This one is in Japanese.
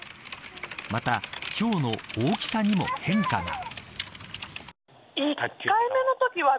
また、ひょうの大きさにも変化が。